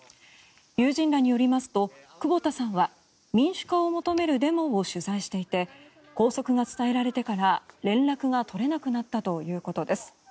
友人らによりますと久保田さんは民主化を求めるデモを取材していて拘束が伝えられてから連絡が取れなくなったということです。